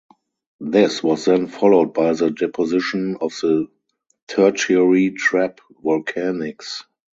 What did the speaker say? This was then followed by the deposition of the Tertiary Trap Volcanics.